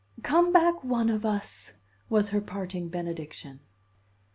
"Come back one of us," was her parting benediction.